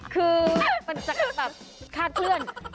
คือมันจะแบบคาดเคลื่อน